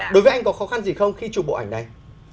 đối với anh có khó khăn gì không khi chụp bộ ảnh này